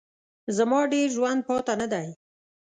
زما ډېر ژوند پاته نه دی.